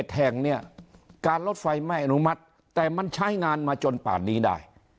แห่งเนี่ยการรถไฟไม่อนุมัติแต่มันใช้งานมาจนป่านนี้ได้